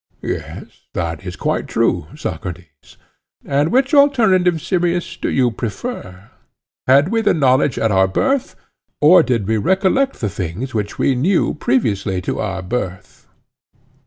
Yes, that is quite true, Socrates. And which alternative, Simmias, do you prefer? Had we the knowledge at our birth, or did we recollect the things which we knew previously to our birth?